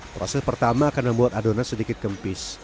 proses pertama akan membuat adonan sedikit kempis